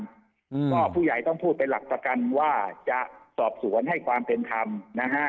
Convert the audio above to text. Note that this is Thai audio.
อืมก็ผู้ใหญ่ต้องพูดเป็นหลักประกันว่าจะสอบสวนให้ความเป็นธรรมนะฮะ